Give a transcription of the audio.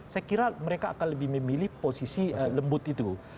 saya kira mereka akan lebih memilih posisi lembut itu